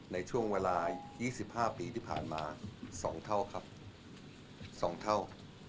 ในช่วงเวลา๒๕ปีที่ผ่านมา๒เท่าครับ๒เท่า